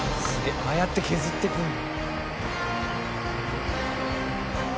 ああやって削っていくんだ。